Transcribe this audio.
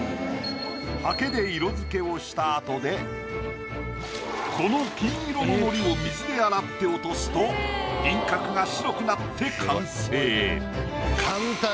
ハケで色付けをした後でこの金色の糊を水で洗って落とすと輪郭が白くなって完成。